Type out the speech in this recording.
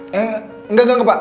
eh enggak enggak enggak pak